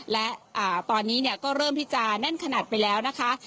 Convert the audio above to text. และตอนนี้เนี่ยก็เริ่มที่จะแน่นขนาดไปแล้วนะคะ